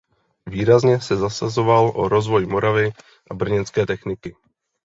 Výrazně se zasazoval o rozvoj Moravy a brněnské techniky.